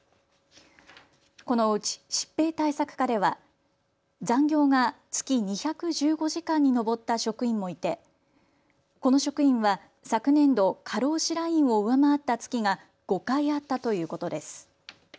このうち疾病対策課では残業が月２１５時間に上った職員もいてこの職員は昨年度、過労死ラインを上回った月が５回あったということです。